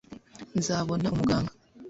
nzabona umuganga